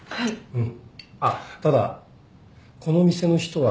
うん。